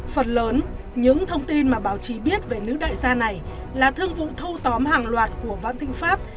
phần lớn những thông tin mà báo chí biết về nữ đại gia này là thương vụ thâu tóm hàng loạt của văn thinh pháp